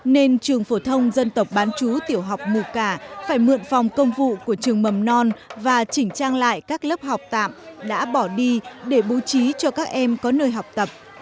nên trường phổ thông dân tộc bán chú tiểu học mù cả phải mượn phòng công vụ của trường mầm non và chỉnh trang lại các lớp học tạm đã bỏ đi để bố trí cho các em có nơi học tập